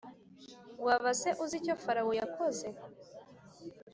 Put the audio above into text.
Waba se uzi icyo Farawo yakoze